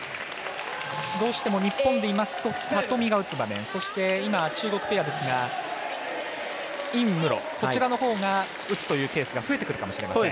どうしても日本でいうと里見が打つ場面、中国ペアですと尹夢ろ、こちらのほうが打つというケースが増えてくるかもしれません。